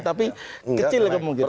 tapi kecil lagi mungkin